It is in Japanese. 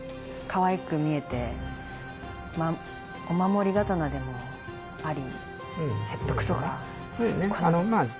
かわいく見えてお守り刀でもあり切腹とか。